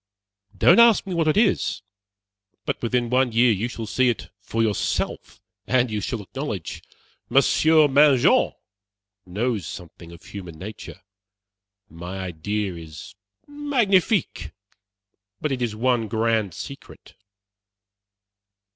Don't ask me what it is, but within one year you shall see it for yourself, and you shall acknowledge Monsieur Mangin knows something of human nature. My idea is magnifique, but it is one grand secret."